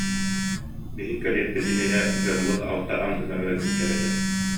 Биһиги кэлиэхпит иннинэ дьоммут алта андыны өлөрбүттэр этэ